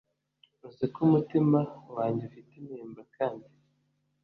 uziko umitima wanjye ufite intimba kandi